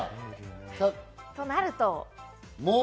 となると。